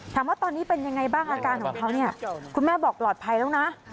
ถามว่าตอนนี้เป็นยังไงบ้างอาการของเขาเนี่ยคุณแม่บอกปลอดภัยแล้วนะ